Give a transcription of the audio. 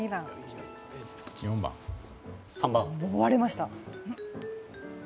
割れました。